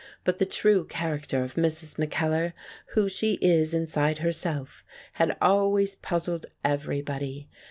But the true character of Mrs. Mackellar, who she is inside herself, had always puzzled everybody.